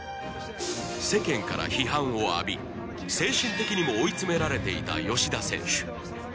世間から批判を浴び精神的にも追い詰められていた吉田選手